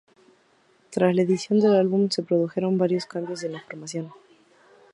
Tras la edición del álbum, se produjeron varios cambios en la formación.